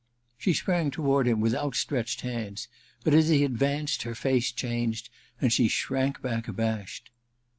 She sprang toward him with outstretched hands, but as he advanced her face changed and she shrank back abashed.